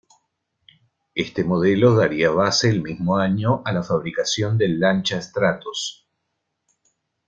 Este modelo daría base el mismo año a la fabricación del Lancia Stratos.